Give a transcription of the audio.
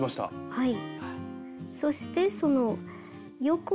はい。